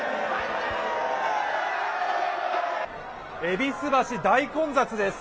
戎橋、大混雑です。